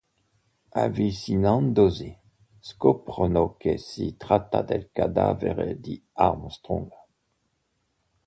Avvicinandosi, scoprono che si tratta del cadavere di Armstrong.